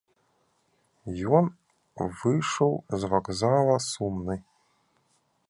Ён выйшаў з вакзала сумны.